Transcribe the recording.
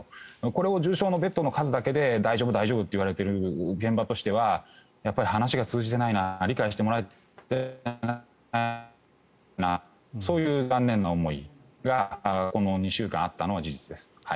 これを重症のベッドの数だけで大丈夫、大丈夫と言われている現場としてはやっぱり話が通じてないな理解してもらえてないなというそういう残念な思いがこの２週間あったのは事実です。